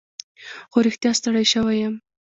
خو رښتیا ستړی شوی یم.